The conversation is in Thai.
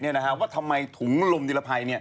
ว่าทำไมถุงลมนิรภัย